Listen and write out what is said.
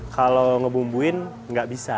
kalau ngebumbuin nggak bisa